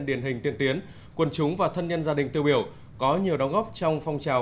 điển hình tiên tiến quân chúng và thân nhân gia đình tiêu biểu có nhiều đóng góp trong phong trào